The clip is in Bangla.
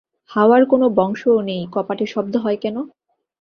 হাওয়ার কোনো বংশও নেই-কপাটে শব্দ হয় কেন?